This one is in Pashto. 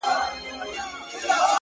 زما زړه په محبت باندي پوهېږي;